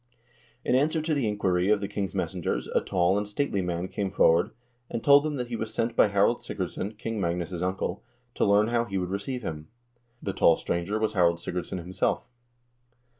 In answer to the inquiry of the king's messengers a tall and stately man came forward and told them that he was sent by Harald Sigurdsson, King Magnus' uncle, to learn how he would receive him. The tall stranger was Harald Sigurdsson himself.